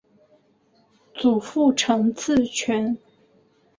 祖父陈赐全。